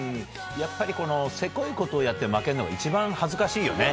やっぱり、せこいことをやって負けるのが一番恥ずかしいよね。